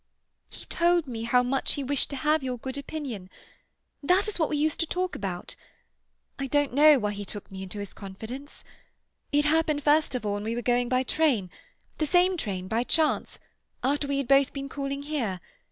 "He told me how much he wished to have your good opinion That is what we used to talk about. I don't know why he took me into his confidence. It happened first of all when we were going by train—the same train, by chance—after we had both been calling here.